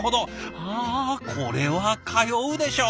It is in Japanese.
あこれは通うでしょう！